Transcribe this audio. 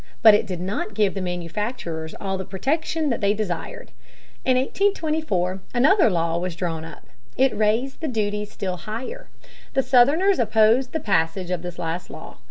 But it did not give the manufacturers all the protection that they desired. In 1824 another law was drawn up. It raised the duties still higher. The Southerners opposed the passage of this last law.